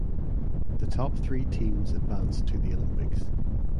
The top three teams advanced to the Olympics.